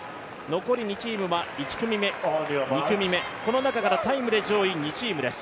残り２チームは１組目、２組目、この中からタイム２チームです。